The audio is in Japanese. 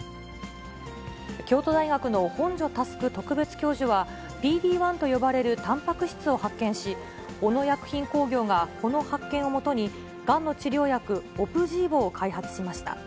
京都大学の本庶佑特別教授は、ＰＤー１と呼ばれるたんぱく質を発見し、小野薬品工業がこの発見をもとにがんの治療薬、オプジーボを開発しました。